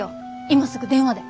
今すぐ電話で。